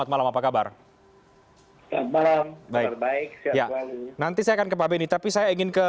terima kasih pak